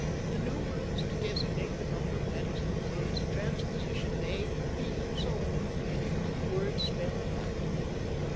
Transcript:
"The numerals to designate the number of letters in the words, the transposition of 'a' for 'b', and so on, and the words spelled backwards.